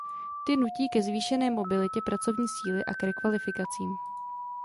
Ty nutí ke zvýšené mobilitě pracovní síly a k rekvalifikacím.